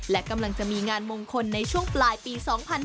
และกำลังจะมีงานมงคลในช่วงปลายปี๒๕๕๙